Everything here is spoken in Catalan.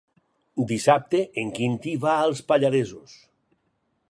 Dissabte en Quintí va als Pallaresos.